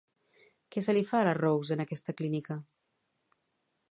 Què se li fa a la Rose en aquesta clínica?